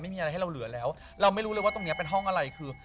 ไม่มีอะไรให้เราเหลือแล้วเราไม่รู้เลยว่าตรงนี้เป็นห้องอะไรคือ